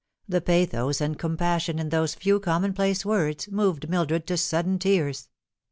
The pathos and com passion in those few commonplace words moved Mildred to sudden tears.